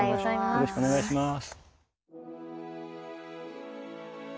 よろしくお願いします。